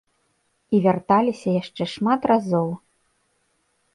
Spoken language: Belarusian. І вярталіся яшчэ шмат разоў.